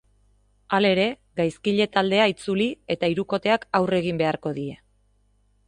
Halere, gaizkile taldea itzuli eta hirukoteak aurre egin beharko die.